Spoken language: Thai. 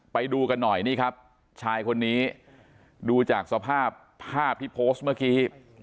ไปดูกันหน่อยนี่ครับชายคนนี้ดูจากสภาพภาพที่โพสต์เมื่อกี้